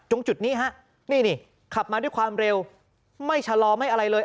จุดนี้ฮะนี่นี่ขับมาด้วยความเร็วไม่ชะลอไม่อะไรเลย